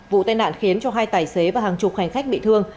vụ tai nạn khiến cho hai tài xế và hàng chục hành khách bị thương